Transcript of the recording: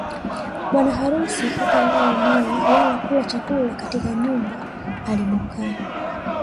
Bwana harusi hatalala naye wala kula chakula katika nyumba alimokaa